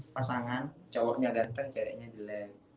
pasangan cowoknya ganteng ceweknya jelek